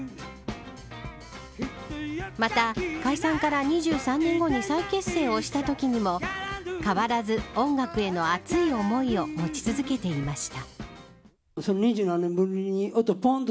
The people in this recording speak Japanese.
また、解散から２３年後に再結成をしたときにも変わらず音楽への熱い思いを持ち続けていました。